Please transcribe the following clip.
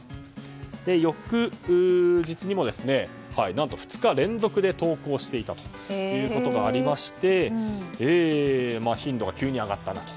翌日にも何と２日連続で投稿していたことがありまして頻度が急に上がったと。